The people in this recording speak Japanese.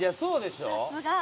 さすが。